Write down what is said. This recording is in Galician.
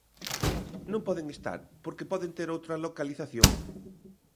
Non poden estar porque poden ter outra localización.